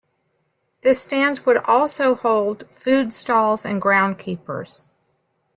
The stands would also hold food stalls and ground keepers.